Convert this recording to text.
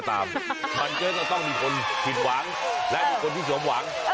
อ้าวโบ๊ะเลยล่ะ